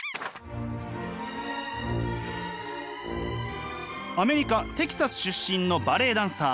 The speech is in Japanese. アメリカ・テキサス出身のバレエダンサー鈴木里佳子さん。